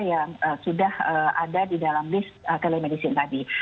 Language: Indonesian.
yang sudah ada di dalam list telemedicine tadi